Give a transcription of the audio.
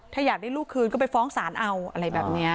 ถ้าอยากได้ลูกคืนก็ไปฟ้องศาลเอาอะไรแบบนี้